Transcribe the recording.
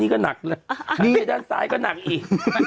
นี่ก็หนักแล้วไปด้านซ้ายก็หนักอีก